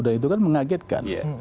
dan itu kan mengagetkan